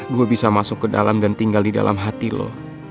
gue bisa masuk ke dalam dan tinggal di dalam hati lo